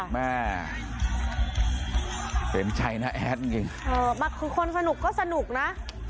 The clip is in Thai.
แม่เป็นชัยนาแอดจริงจริงเอ่อมักคือคนสนุกก็สนุกน่ะ